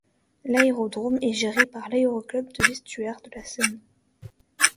L’aérodrome est géré par l’Aéroclub de l’Estuaire de la Seine.